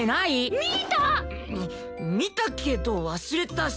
み見たけど忘れたし。